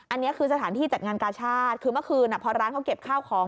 อันนี้คือสถานที่จัดงานกาชาติคือเมื่อคืนพอร้านเขาเก็บข้าวของ